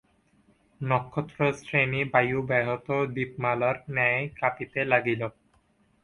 নক্ষত্রশ্রেণী বায়ুব্যাহত দীপমালার ন্যায় কাঁপিতে লাগিল।